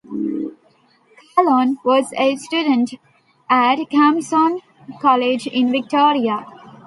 Kahlon was a student at Camosun College in Victoria.